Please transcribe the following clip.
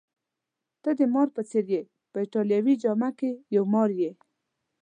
ته د مار په څېر يې، په ایټالوي جامه کي یو مار یې.